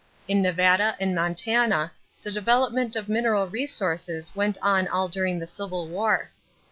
In Nevada and Montana the development of mineral resources went on all during the Civil War.